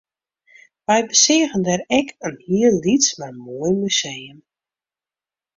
Wy beseagen dêr ek in hiel lyts mar moai museum